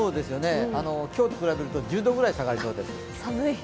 今日と比べると１０度ぐらい下がりそうです。